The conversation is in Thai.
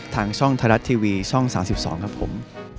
ทางช่องไทยรัฐทีวีช่อง๓๒ครับผม